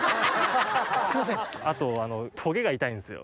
あとトゲが痛いんですよ。